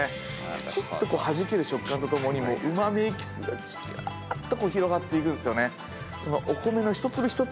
プチッとはじける食感とともにうま味エキスがじわーっと広がっていくんですよね。